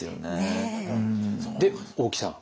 で大木さん。